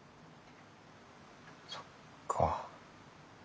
そっか。